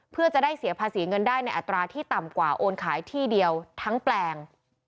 เพื่อจะได้เสียภาษีเงินได้ในอัตราที่ต่ำกว่าโอนขายที่เดียวทั้งแปลง